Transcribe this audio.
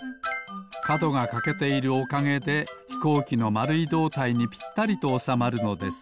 かどがかけているおかげでひこうきのまるいどうたいにぴったりとおさまるのです。